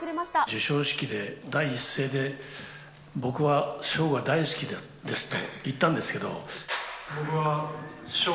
授賞式で第一声で、僕は賞が大好きですと言ったんですけど。